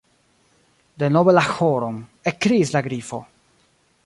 "Denove la ĥoron," ekkriis la Grifo.